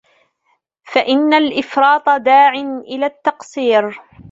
فَإِنَّ الْإِفْرَاطَ دَاعٍ إلَى التَّقْصِيرِ